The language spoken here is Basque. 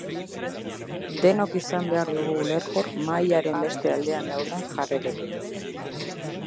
Denok izan behar dugu ulerkor mahaiaren beste aldean daudenen jarrerekin.